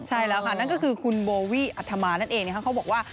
ใช่แล้วค่ะนั่นก็คือคุณโบวี่อัธมานั่นเองเขาบอกว่า